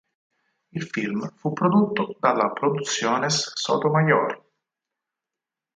Il film fu prodotto dalla Producciones Sotomayor.